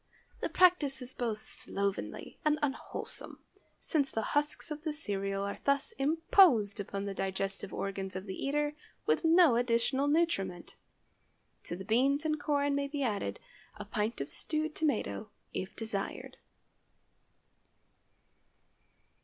The practice is both slovenly and unwholesome, since the husks of the cereal are thus imposed upon the digestive organs of the eater, with no additional nutriment. To the beans and corn may be added a pint of stewed tomato, if desired.